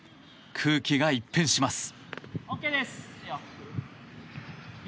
空気が一変します。